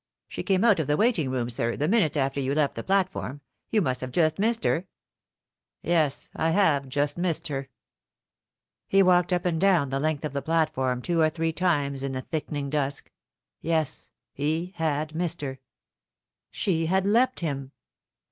She came out of the waiting room, sir, the minute after you left the platform. You must have just missed her." 0r " Yes, I have just missed her." 144 The Fatal Three. He walked np and down the length of the platform two or three times in the thickening dusk. Yes, he had missed her. She had left him.